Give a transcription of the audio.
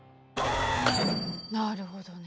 なるほどね。